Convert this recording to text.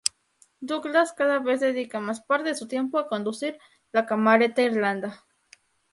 Douglas cada vez dedica más parte de su tiempo a conducir la Camerata Irlanda.